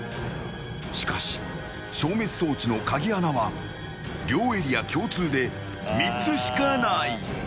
しかし、消滅装置の鍵穴は両エリア共通で３つしかない。